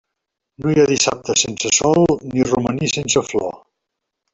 No hi ha dissabte sense sol ni romaní sense flor.